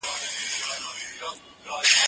ليکنې د زده کوونکي له خوا کيږي؟!